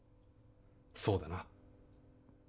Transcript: そうだな？